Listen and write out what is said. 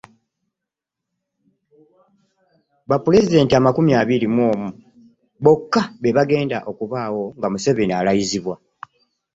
Ba pulezidenti amakumi abiri mu omu bokka be bagenda okubaawo nga Museveni alayizibwa